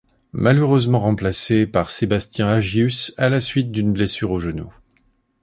Malheureusement remplacé par Sébastien Agius à la suite d'une blessure au genou.